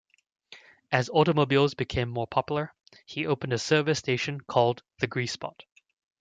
As automobiles became more popular, he opened a service station called The Grease Spot.